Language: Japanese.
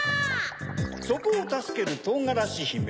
そこをたすけるとうがらしひめ。